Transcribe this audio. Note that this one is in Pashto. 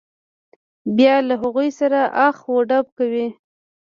بیا له هغوی سره اخ و ډب کوي.